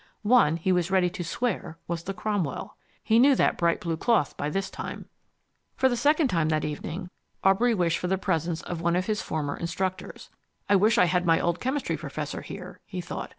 One, he was ready to swear, was the Cromwell. He knew that bright blue cloth by this time. For the second time that evening Aubrey wished for the presence of one of his former instructors. "I wish I had my old chemistry professor here," he thought.